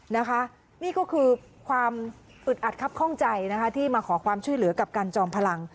นะคะนี่ก็คือความอึดอัดครับข้องใจนะคะที่มาขอความช่วยเหลือกับการจอมพลัง